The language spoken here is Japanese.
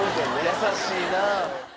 優しいな。